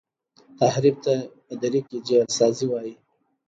تحریف ته په دري کي جعل سازی وايي.